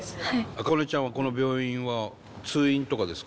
アカネちゃんはこの病院は通院とかですか？